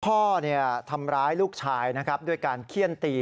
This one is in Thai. พ่อทำร้ายลูกชายนะครับด้วยการเขี้ยนตี